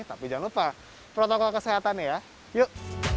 tapi jangan lupa protokol kesehatannya ya yuk